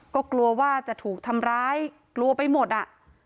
ก็กลัวว่าจะถูกทำร้ายกลัวไปหมดอ่ะ